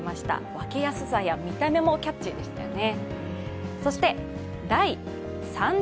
分けやすさや見た目もキャッチーでしたよね。